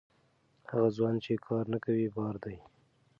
هغه ځوان چې کار نه کوي، بار دی.